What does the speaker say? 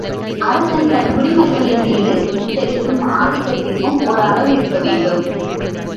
அரசன் தன் குடிமக்களின் மீது செலுத்தும் ஆதிக்கத்திற்கும் ஒரு அளவு இருக்கவேண்டும்.